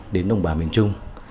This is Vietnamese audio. đến đồng bà miền trung